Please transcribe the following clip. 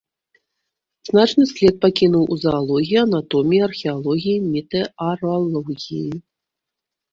Значны след пакінуў у заалогіі, анатоміі, археалогіі, метэаралогіі.